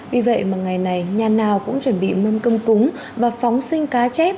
vì vậy mà ngày này nhà nào cũng chuẩn bị mâm cơm cúng và phóng sinh cá chép